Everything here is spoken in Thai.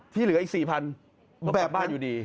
ที่เหลืออีก๔๐๐๐บาทต้องกลับบ้านอยู่ดี